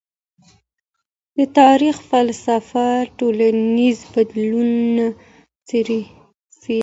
د تاریخ فلسفه ټولنیز بدلونونه څېړي.